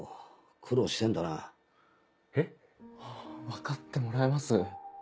分かってもらえます？